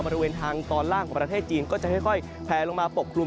บริเวณทางตอนล่างของประเทศจีนก็จะค่อยแพลลงมาปกคลุม